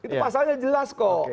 itu pasalnya jelas kok